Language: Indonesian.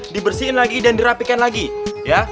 dibersihin lagi dan dirapikan lagi ya